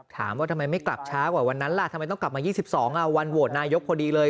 ถามว่าทำไมไม่กลับช้ากว่าวันนั้นล่ะทำไมต้องกลับมา๒๒วันโหวตนายกพอดีเลย